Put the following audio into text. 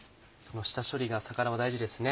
下処理が魚は大事ですね。